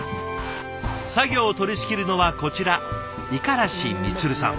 作業を取りしきるのはこちら五十嵐充さん。